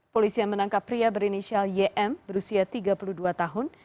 polisi yang menangkap pria berinisial ym berusia tiga puluh dua tahun